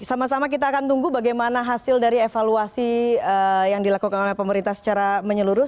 sama sama kita akan tunggu bagaimana hasil dari evaluasi yang dilakukan oleh pemerintah secara menyeluruh